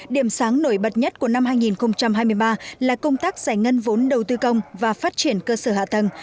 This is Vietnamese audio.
điểm sáng nổi bật nhất của năm hai nghìn hai mươi ba là công tác giải ngân vốn đầu tư công và phát triển cơ sở hạ tầng